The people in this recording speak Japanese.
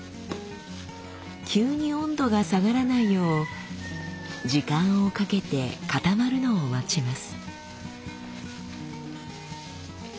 急に温度が下がらないよう時間をかけて固まるのを待ちます。